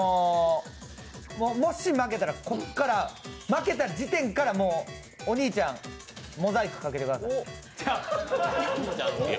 もし負けたら、負けた時点からお兄ちゃんモザイクかけてください。